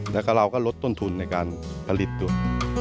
แล้วก็เราก็ลดต้นทุนในการผลิตด้วย